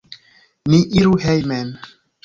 Ni iru hejmen!